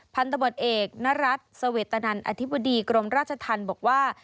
พันธบทเอกนรัฐเสวตนันอธิบดีกรมราชธรรมบอกว่า